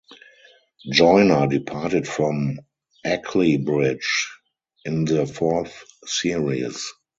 Joyner departed from "Ackley Bridge" in the fourth series.